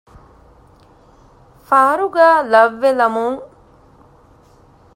ފާރުގައި ލައްވެލަމުން